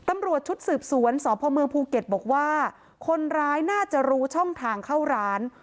ตำรวจชุดสืบสวนสพเมืองภูเก็ตบอกว่าคนร้ายน่าจะรู้ช่องทางเข้าร้าน